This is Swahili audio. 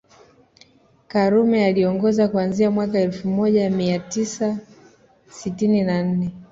Karume aliongoza kuanzia mwaka elfu moja mia tisa sitini na nne